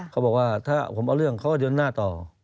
เขาบอกว่าถ้าผมเอาเรื่องเขาก็เดินหน้าต่อ